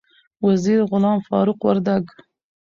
وزیر غلام فاروق وردک